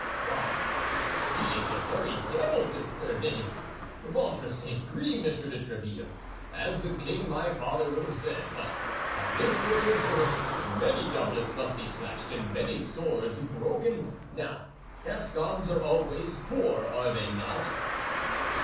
"Why he is a very devil, this Béarnais! Ventre saint gris, Monsieur de Tréville, as the king my father would have said. But at this sort of work, many doublets must be slashed and many swords broken. Now, Gascons are always poor, are they not?"